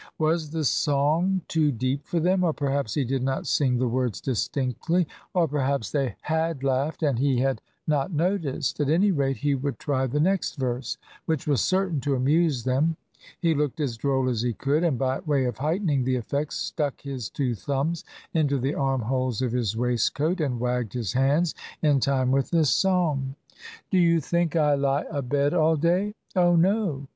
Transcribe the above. Was the song too deep for them, or perhaps he did not sing the words distinctly, or perhaps they had laughed and he had not noticed? At any rate he would try the next verse, which was certain to amuse them. He looked as droll as he could, and by way of heightening the effect, stuck his two thumbs into the armholes of his waistcoat and wagged his hands in time with the song. Do you think I lie abed all day? Oh no!